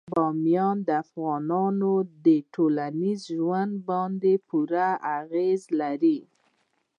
بامیان د افغانانو په ټولنیز ژوند باندې پوره اغېز لري.